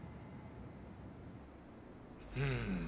うん。